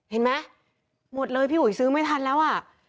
เห็นไหมหมดเลยพี่อุ๋ยซื้อไม่ทันแล้วอ่ะ